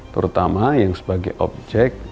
terutama yang sebagai objek